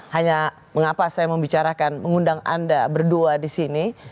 hanya mengapa saya membicarakan mengundang anda berdua di sini